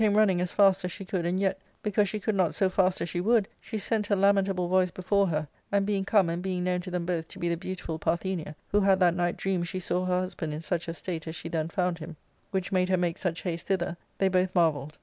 ^Book IIL running as fast as she could, and yet, because she could not so fast as she would, she sent her lamentable voice before her, and being come, and being known to them both to be the beautiful Parthenia, who had that night dreamed she saw her husband in such estate as she then found him, which made her make such haste thither, they both marvelled.